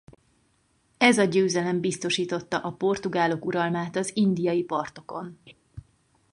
Ez a győzelem biztosította a portugálok uralmát az indiai partokon.